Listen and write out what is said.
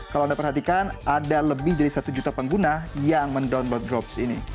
kalau anda perhatikan ada lebih dari satu juta pengguna yang mendownload drops ini